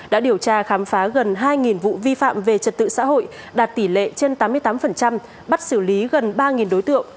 đã điều tra khám phá gần hai vụ vi phạm về trật tự xã hội đạt tỷ lệ trên tám mươi tám bắt xử lý gần ba đối tượng